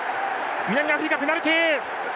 南アフリカ、ペナルティー！